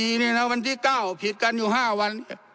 สี่นี่นะวันที่เก้าผิดกันอยู่ห้าวัน